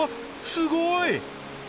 すごい！